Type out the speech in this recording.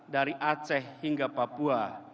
dari aceh hingga papua